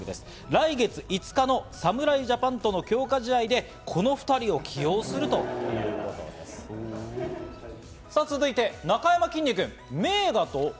来月５日の侍ジャパンとの強化試合でこの２人を起用するというこ続いて、なかやまきんに君。